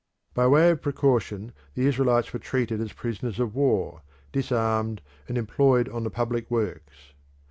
By way of precaution the Israelites were treated as prisoners of war, disarmed, and employed on the public works.